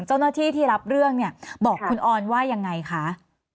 เจ้าหน้าที่ที่รับเรื่องเนี่ยบอกคุณออนว่ายังไงคะ